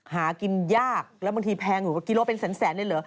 หากินยากแล้วบางทีแพงหรือว่ากิโลเป็นแสนเลยเหรอ